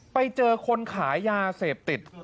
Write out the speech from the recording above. ไปเจอคนขายยาเสพติด